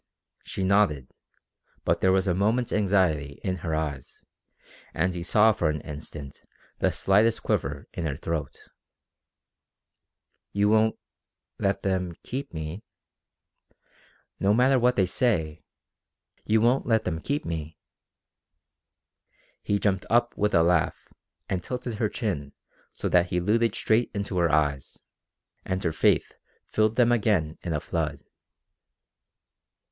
She nodded, but there was a moment's anxiety in her eyes, and he saw for an instant the slightest quiver in her throat. "You won't let them keep me? No matter what they say you won't let them keep me?" He jumped up with a laugh and tilted her chin so that he looted straight into her eyes; and her faith filled them again in a flood.